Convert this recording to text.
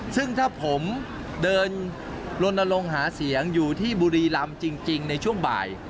ซึ่งถ้าผมเดินลนลงหาเสียงอยู่ที่บุรีรำจริงในช่วงบ่าย